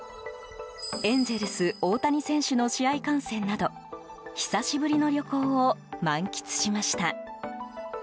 エンゼルス、大谷選手の試合観戦など久しぶりの旅行を満喫しました。